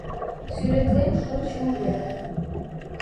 Сӱретлем шочмо верым: